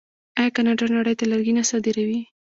آیا کاناډا نړۍ ته لرګي نه صادروي؟